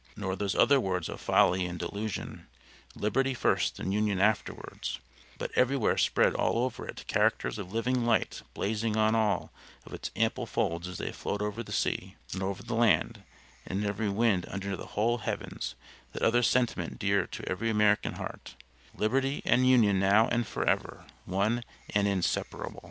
nor those other words of folly and delusion: 'Liberty first and Union afterwards,' but everywhere spread all over it characters of living light blazing on all of its ample folds as they float over the sea and over the land, and in every wind under the whole heavens that other sentiment dear to every American heart: 'LIBERTY AND UNION NOW AND FOREVER, ONE AND INSEPARABLE!'"